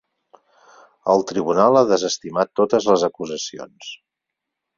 El tribunal ha desestimat totes les acusacions.